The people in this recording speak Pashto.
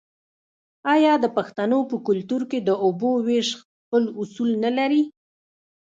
آیا د پښتنو په کلتور کې د اوبو ویش خپل اصول نلري؟